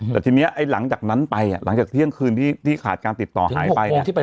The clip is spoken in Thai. แต่ทีนี้หลังจากนั้นไปหลังจากเที่ยงคืนที่ขาดการติดต่อหายไป